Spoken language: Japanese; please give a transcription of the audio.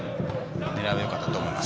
狙いはよかったと思います。